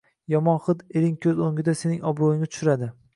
Yomon hid ering ko‘z o‘ngida sening obro‘yingni tushiradi.